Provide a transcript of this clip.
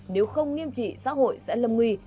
nếu không nghiêm trị xã hội sẽ lâm nguy